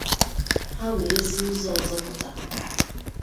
ha wee si ụzọ ọzọ pụta.